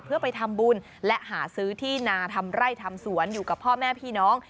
เพื่อไปทำบุญและหาซื้อที่นาทำไร่ทำสวนอยู่กับพ่อแม่พี่น้อง